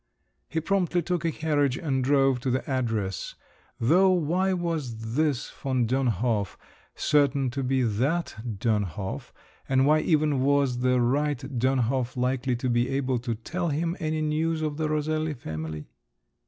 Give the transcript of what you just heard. He promptly took a carriage and drove to the address, though why was this Von Dönhof certain to be that Dönhof, and why even was the right Dönhof likely to be able to tell him any news of the Roselli family?